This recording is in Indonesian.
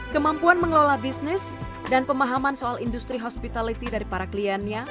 kemampuan mengelola bisnis dan pemahaman soal industri hospitality dari para kliennya